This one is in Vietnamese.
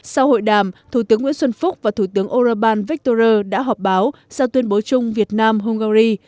sau hội đàm thủ tướng nguyễn xuân phúc và thủ tướng orbán viktor đã họp báo sau tuyên bố chung việt nam hungary